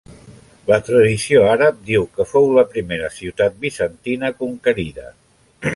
La tradició àrab diu que fou la primera ciutat bizantina conquerida.